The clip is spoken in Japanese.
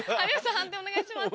判定お願いします。